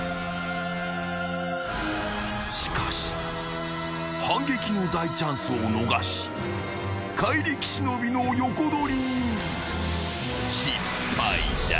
［しかし反撃の大チャンスを逃し怪力忍の横取りに失敗だ］